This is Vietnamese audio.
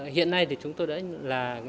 hiện nay thì chúng tôi đã là nhà